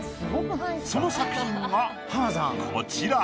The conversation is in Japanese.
その作品がこちら。